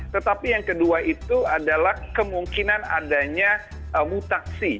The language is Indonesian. tetapi yang kedua itu adalah kemungkinan adanya mutasi